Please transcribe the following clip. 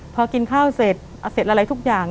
พอกินข้าวเสร็จอะไรทุกอย่าง